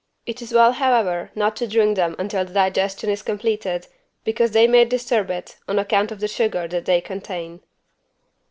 It is well, however, not to drink them until the digestion is completed, because they may disturb it, on account of the sugar that they contain.